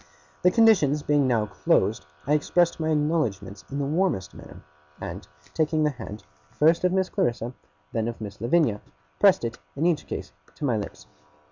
The conditions being now closed, I expressed my acknowledgements in the warmest manner; and, taking the hand, first of Miss Clarissa, and then of Miss Lavinia, pressed it, in each case, to my lips.